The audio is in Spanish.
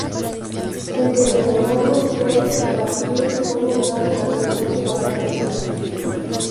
El venezolano Josef Martínez fue nombrado el mejor jugador del partido.